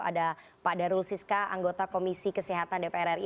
ada pak darul siska anggota komisi kesehatan dpr ri